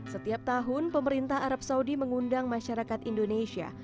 setiap tahun pemerintah arab saudi mengundang masyarakat indonesia